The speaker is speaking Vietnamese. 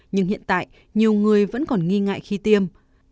nhưng hiện tại nhiều người vẫn còn nghi ngại khi tiêm